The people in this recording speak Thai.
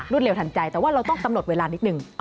เร็วทันใจแต่ว่าเราต้องกำหนดเวลานิดนึง